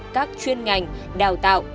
các chuyên ngành đào tạo